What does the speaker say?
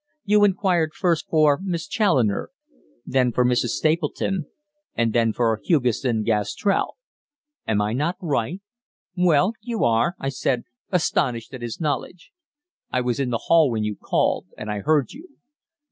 You inquired first for Miss Challoner, then for Mrs. Stapleton, and then for Hugesson Gastrell am I not right?" "Well, you are," I said, astonished at his knowledge. "I was in the hall when you called, and I heard you.